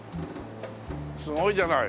すごいじゃない。